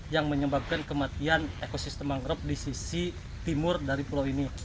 yang menyebabkan kematian ekosistem mangrove di sisi timur dari pulau ini